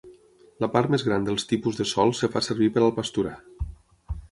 La part més gran dels tipus de sòl es fa servir per al pasturar.